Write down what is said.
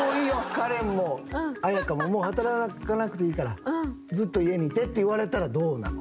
カレンも綾香ももう働かなくていいからずっと家にいてって言われたらどうなの？